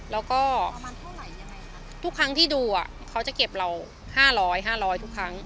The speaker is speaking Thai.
แล้วก็ทุกครั้งที่ดูอ่ะเขาจะเก็บเรา๕๐๐๕๐๐ทุกครั้ง